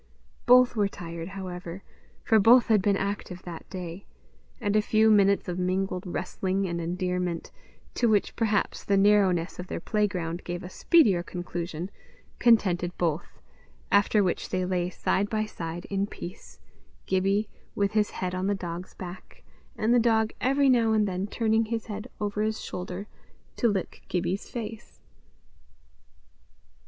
Both were tired, however, for both had been active that day, and a few minutes of mingled wrestling and endearment, to which, perhaps, the narrowness of their play ground gave a speedier conclusion, contented both, after which they lay side by side in peace, Gibbie with his head on the dog's back, and the dog every now and then turning his head over his shoulder to lick Gibbie's face.